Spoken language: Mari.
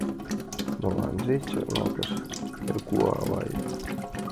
— Моланже... — чакналтыш Эргуваев.